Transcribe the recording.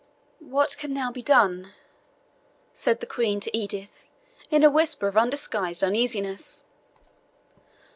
"What can now be done?" said the Queen to Edith, in a whisper of undisguised uneasiness.